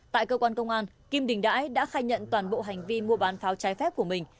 tại cơ quan công an kim đình đãi đã khai nhận toàn bộ hành vi mua bán pháo trái phép của mình